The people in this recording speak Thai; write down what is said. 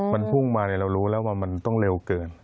มันพุ่งมาเรารู้แล้วว่ามันต้องเร็วเกิน